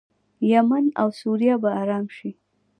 یمن او سوریه به ارام شي.